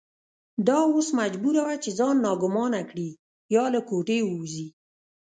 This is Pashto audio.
دا اوس مجبوره وه چې ځان ناګومانه کړي یا له کوټې ووځي.